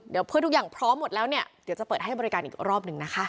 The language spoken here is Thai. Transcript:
เดี๋ยวเพื่อทุกอย่างพร้อมหมดแล้วเนี่ยเดี๋ยวจะเปิดให้บริการอีกรอบหนึ่งนะคะ